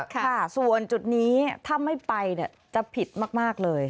ค่ะส่วนจุดนี้ถ้าไม่ไปเนี่ยจะผิดมากเลย